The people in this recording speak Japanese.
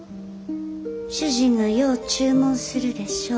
主人がよう注文するでしょう。